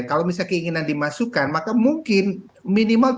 kalau misalnya keinginan dimasukkan maka mungkin minimal tujuh lima